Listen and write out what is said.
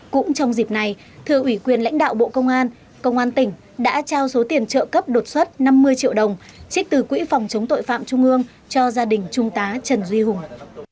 cũng trong dịp này thưa ủy quyền lãnh đạo bộ công an công an tỉnh đã trao số tiền trợ cấp đột xuất năm mươi triệu đồng trích từ quỹ phòng chống tội phạm trung ương cho gia đình trung tá trần duy hùng